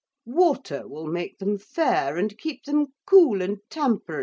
Water will make them fair and keep them cool and tamperit.